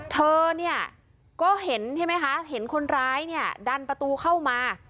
เธอก็เห็นใช่ไหมคะเห็นคนร้ายดันประตูเข้ามา